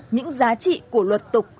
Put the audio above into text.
những giá trị của luật tục